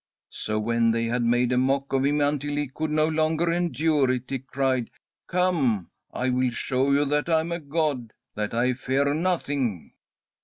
So when they had made a mock of him until he could no longer endure it, he cried: 'Come! I will show you that I am a god! that I fear nothing!'